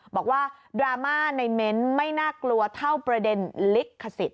ดราม่าในเม้นต์ไม่น่ากลัวเท่าประเด็นลิขสิทธ